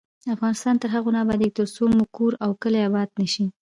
افغانستان تر هغو نه ابادیږي، ترڅو مو کور او کلی اباد نشي.